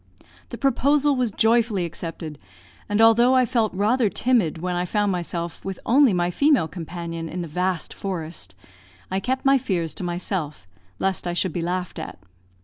The proposal was joyfully accepted; and although I felt rather timid when I found myself with only my female companion in the vast forest, I kept my fears to myself, lest I should be laughed at.